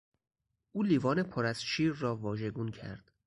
او لیوان پر از شیر را واژگون کرد.